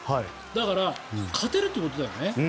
だから、勝てるってことだよね。